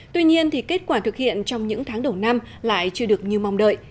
tuy nhiên kết quả thực hiện trong những tháng đầu năm lại chưa được như mong đợi